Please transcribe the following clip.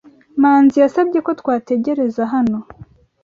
Manzi yasabye ko twategereza hano.